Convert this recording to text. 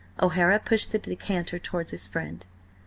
O'Hara pushed the decanter towards his friend.